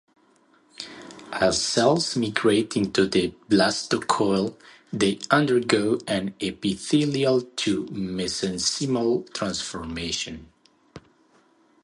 As cells migrate into the blastocoel, they undergo an epithelial-to-mesenchymal transformation.